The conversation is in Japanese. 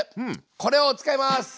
これを使います！